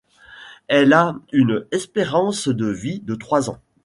Elle a une espérance de vie de trois ans.